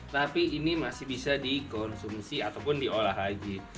tapi ini masih bisa dikonsumsi ataupun diolah lagi